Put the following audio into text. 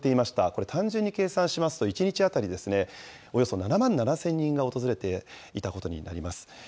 これ、単純に計算しますと、１日当たりおよそ７万７０００人が訪れていたことになります。